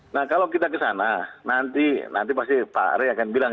nah kalau kita ke sana nanti pasti pak rey akan bilang